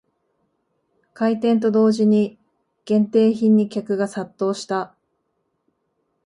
開店と同時に限定品に客が殺到した